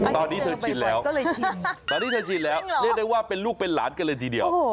ตอนนี้เธอชินแล้วก็เลยชินตอนนี้เธอชินแล้วเรียกได้ว่าเป็นลูกเป็นหลานกันเลยทีเดียว